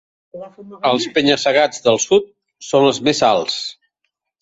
Els penya-segats del sud són els més alts.